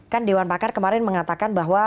kan dewan pakar kemarin mengatakan bahwa